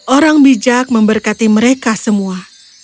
orang bijak memberkati mereka semua